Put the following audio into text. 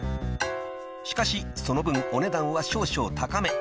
［しかしその分お値段は少々高め］